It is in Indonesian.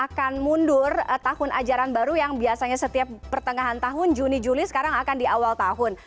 akan mundur tahun ajaran baru yang biasanya setiap pertengahan tahun juni juli sekarang akan di awal tahun